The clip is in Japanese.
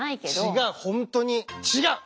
違う本当に違う！